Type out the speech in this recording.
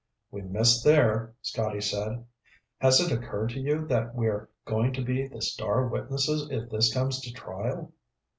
"We missed there," Scotty said. "Has it occurred to you that we're going to be the star witnesses if this comes to trial?"